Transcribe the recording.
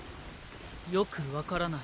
よく分からない。